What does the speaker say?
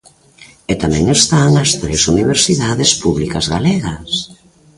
E tamén están as tres universidades públicas galegas.